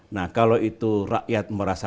nah kalau itu itu adalah hal yang harus diperhatikan